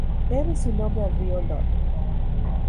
Debe su nombre al río Lot.